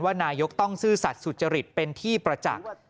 นายกต้องซื่อสัตว์สุจริตเป็นที่ประจักษ์